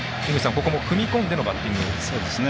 ここも踏み込んでのバッティングですね。